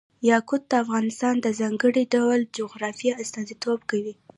یاقوت د افغانستان د ځانګړي ډول جغرافیه استازیتوب کوي.